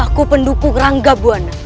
ayahku pendukung rangga buana